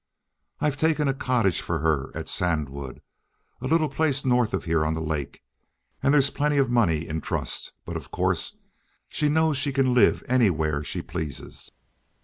I've taken a cottage for her at Sandwood, a little place north of here on the lake; and there's plenty of money in trust, but, of course, she knows she can live anywhere she pleases."